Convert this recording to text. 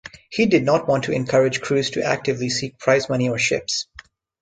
He did not want to encourage crews to actively seek prize money or ships.